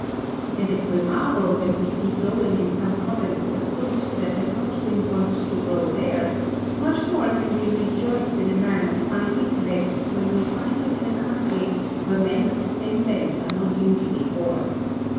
And if we marvel when we see growing in some province a fruit that has not been wont to grow there, much more can we rejoice in a man of fine intellect when we find him in a country where men of the same bent are not usually born.